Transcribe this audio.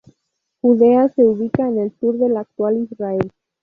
Judea se ubica en el sur del actual Israel.